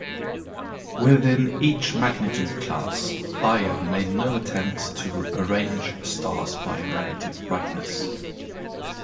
Within each magnitude class, Bayer made no attempt to arrange stars by relative brightness.